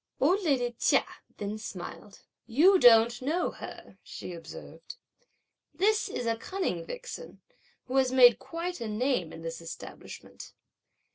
Old lady Chia then smiled. "You don't know her," she observed. "This is a cunning vixen, who has made quite a name in this establishment!